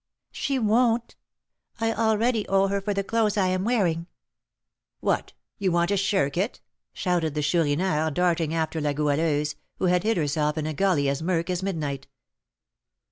"She won't; I already owe her for the clothes I'm wearing." "What, you want to shirk it?" shouted the Chourineur, darting after La Goualeuse, who had hid herself in a gully as murk as midnight.